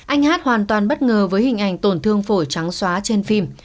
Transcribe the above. anh hát hoàn toàn bất ngờ với hình ảnh tổn thương phổi trắng xóa trên phim